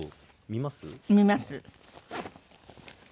見ます。